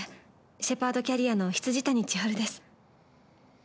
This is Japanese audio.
シェパードキャリアの未谷千晴です。